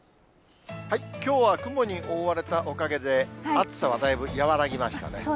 きょうは雲に覆われたおかげで、暑さはだいぶ和らぎましたね。